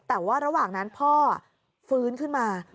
แต่ว่าระหว่างนั้นพ่อฟื้นขึ้นมา